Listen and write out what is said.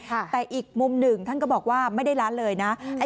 แต่อีกมุมหนึ่งท่านก็บอกว่าไม่ได้ล้านเลยนะ